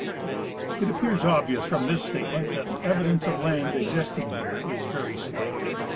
It appears obvious from this statement that the evidence of land existing here is very slight.